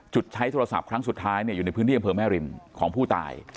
ใช้โทรศัพท์ครั้งสุดท้ายอยู่ในพื้นที่อำเภอแม่ริมของผู้ตาย